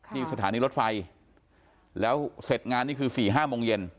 ที่สถานีรถไฟแล้วเสร็จงานนี่คือ๔๕โมงเย็น